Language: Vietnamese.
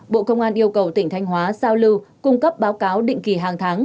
bộ công an yêu cầu tỉnh thanh hóa giao lưu cung cấp báo cáo định kỳ hàng tháng